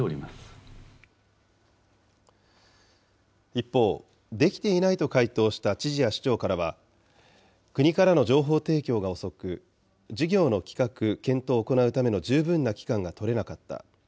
一方、できていないと回答した知事や市長からは、国からの情報提供が遅く、事業の企画・検討を行うための十分な期間が取れなかった。